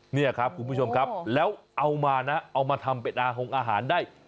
นี่ครับคุณผู้ชมครับแล้วเอามานะเอามาทำเป็นอาหงอาหารได้